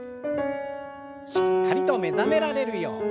しっかりと目覚められるように。